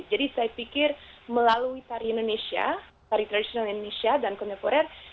jadi saya pikir melalui tarian indonesia tarian tradisional indonesia dan koneporer